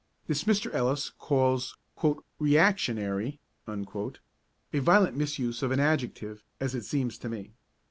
This Mr. Ellis calls 'reactionary'; a violent misuse of an adjective, as it seems to me.